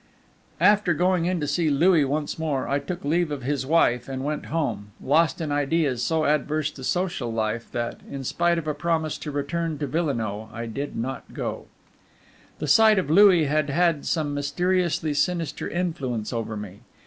After going in to see Louis once more, I took leave of his wife and went home, lost in ideas so adverse to social life that, in spite of a promise to return to Villenoix, I did not go. The sight of Louis had had some mysteriously sinister influence over me.